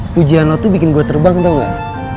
pujihan lo tuh bikin gue terbang tau gak